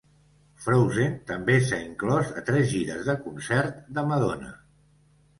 "Frozen" també s'ha inclòs a tres gires de concert de Madonna.